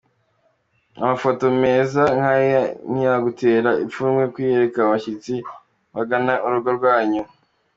Amafoto meza nk'aya ntiyagutera ipfunwe kuyereka abashyitsi bagana urugo rwanyu.